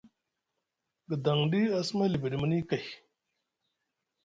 Gdaŋɗi a suma libiɗi muni kay,